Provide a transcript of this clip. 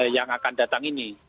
yang akan datang ini